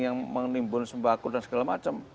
yang menimbul sembah akun dan segala macam